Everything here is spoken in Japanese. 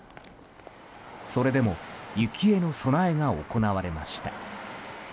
それでも雪への備えが行われました。